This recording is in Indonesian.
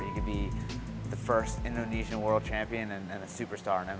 dia bisa menjadi perempuan dunia indonesia pertama dan superstar di mma